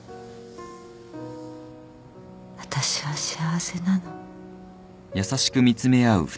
私は幸せなの。